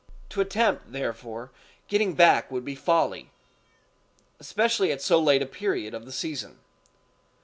To attempt, therefore, getting back would be folly—especially at so late a period of the season.